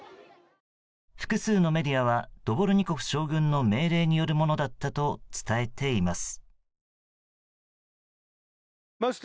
複数のメディアはドボルニコフ将軍の命令によるものだったと伝えています。